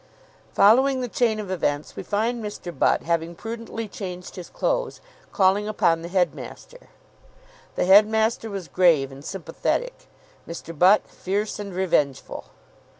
Following the chain of events, we find Mr. Butt, having prudently changed his clothes, calling upon the headmaster. The headmaster was grave and sympathetic; Mr. Butt fierce and revengeful.